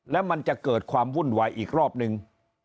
แล้วมันจะเกิดความวุ่นวายอีกรอบนึง